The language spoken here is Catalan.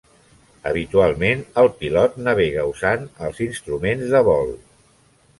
Habitualment, el pilot navega usant els instruments de vol.